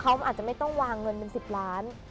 เขาอาจจะไม่ต้องวางเงินเป็น๑๐ล้าน